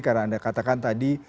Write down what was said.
karena anda katakan tadi